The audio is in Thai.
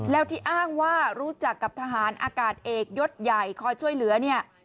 แล้วที่อ้างว่ารู้จักกับทหารอากาศเอกยศใหญ่คอยช่วยเหลือเนี่ย